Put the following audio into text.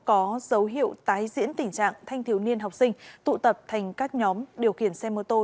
có dấu hiệu tái diễn tình trạng thanh thiếu niên học sinh tụ tập thành các nhóm điều khiển xe mô tô